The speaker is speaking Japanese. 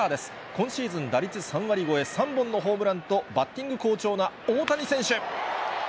今シーズン打率３割超え、３本のホームランと、バッティング好調な大谷選手。